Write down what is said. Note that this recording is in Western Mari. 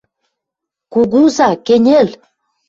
Кугуза, кӹньӹл!